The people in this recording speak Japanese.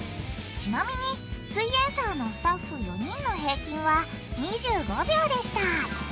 ちなみに「すイエんサー」のスタッフ４人の平均は２５秒でした。